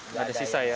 nggak ada sisa ya